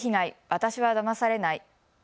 私はだまされない。